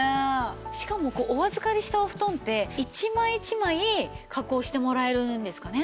しかもお預かりしたお布団って１枚１枚加工してもらえるんですかね？